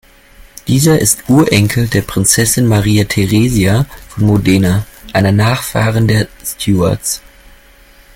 Dieser ist Urenkel der Prinzessin Maria Theresia von Modena, einer Nachfahrin der Stuarts.